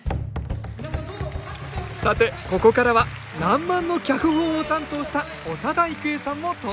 さてここからは「らんまん」の脚本を担当した長田育恵さんも登場。